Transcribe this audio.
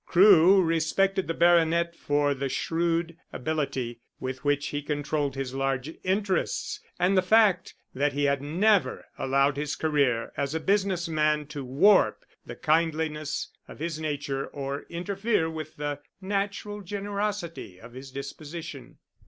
Crewe respected the baronet for the shrewd ability with which he controlled his large interests, and the fact that he had never allowed his career as a business man to warp the kindliness of his nature or interfere with the natural generosity of his disposition.